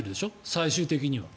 最終的には。